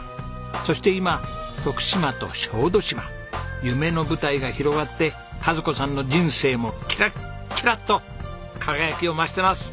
そして今徳島と小豆島夢の舞台が広がって賀津子さんの人生もキラッキラと輝きを増してます。